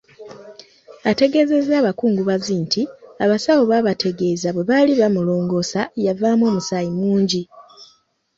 Ategeezezza abakungubazi nti abasawo baabategeeza bwe baali bamulongoosa, yavaamu omusaayi mungi.